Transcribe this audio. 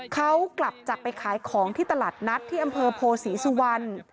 เขากลับจากไปขายของที่ตลาดนัดที่อำเภอโพศรีสุวรรณ